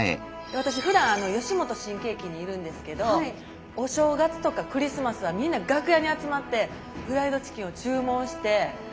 私ふだん吉本新喜劇にいるんですけどお正月とかクリスマスはみんな楽屋に集まってフライドチキンを注文してみんなで食べるんです。